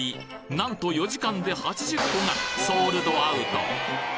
何と４時間で８０個がソールドアウト！